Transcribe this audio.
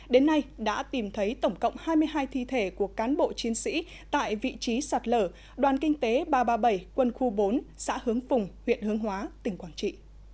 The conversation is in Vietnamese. đến nay đã tìm thấy tổng cộng hai mươi hai thi thể của cán bộ chiến sĩ tại vị trí sạt lở đoàn kinh tế ba trăm ba mươi bảy quân khu bốn xã hướng phùng huyện hướng hóa tỉnh quảng trị